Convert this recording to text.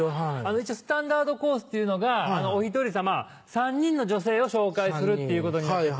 一応スタンダードコースっていうのがお１人様３人の女性を紹介するっていうことになってて。